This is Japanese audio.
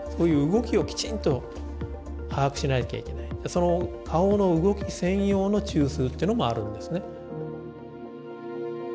その顔の動き専用の中枢っていうのもあるんですね。